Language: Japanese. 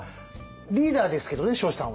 リーダーですけどね彰子さんは。